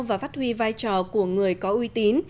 và phát huy vai trò của người có uy tín